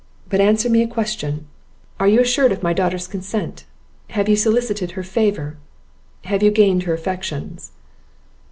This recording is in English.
But answer me a question: Are you assured of my daughter's consent? have you solicited her favour? have you gained her affections?"